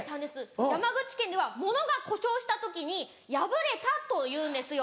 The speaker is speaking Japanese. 山口県ではものが故障した時に「やぶれた」と言うんですよ。